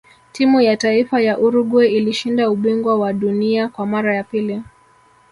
timu ya taifa ya uruguay ilishinda ubingwa wa dunia Kwa mara ya pili